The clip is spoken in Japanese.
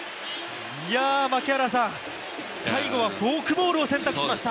最後はフォークボールを選択しました。